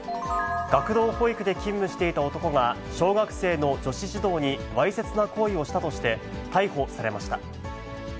学童保育で勤務していた男が、小学生の女子児童にわいせつな行為をしたとして、逮捕されました。